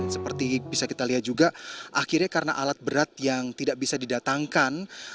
seperti bisa kita lihat juga akhirnya karena alat berat yang tidak bisa didatangkan